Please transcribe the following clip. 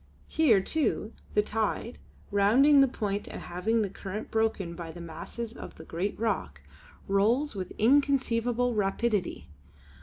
Here, too, the tide, rounding the point and having the current broken by the masses of the great rock, rolls with inconceivable rapidity.